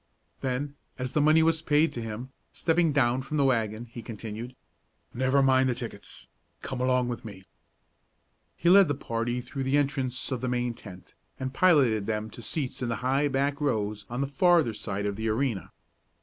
Then, as the money was paid to him, stepping down from the wagon, he continued: "Never mind the tickets; come along with me." He led the party through the entrance of the main tent, and piloted them to seats in the high back rows on the farther side of the arena.